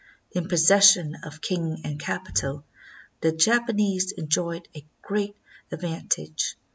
In possession of king and capital, the Japanese enjoyed a great ad vantage.